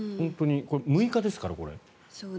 ６日ですから、これは。